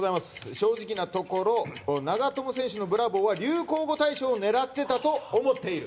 正直なところ長友選手のブラボーは流行語大賞を狙っていたと思っている。